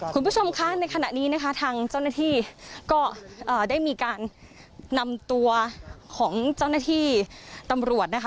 คุณผู้ชมคะในขณะนี้นะคะทางเจ้าหน้าที่ก็ได้มีการนำตัวของเจ้าหน้าที่ตำรวจนะคะ